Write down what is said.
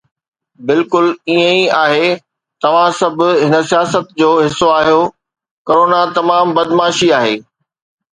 بلڪل ائين ئي آهي، توهان سڀ هن سياست جو حصو آهيو، ڪرونا تمام بدمعاشي آهي